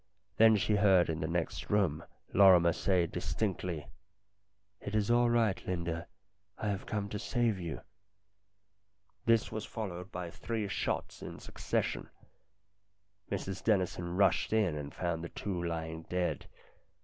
Then she heard in the next room Lorrimer say distinctly :" It is all right, Linda. I have come to save you." This was followed by three shots in succession. Mrs Dennison rushed in and found the two lying dead.